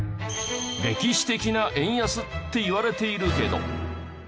歴史的な円安っていわれているけど。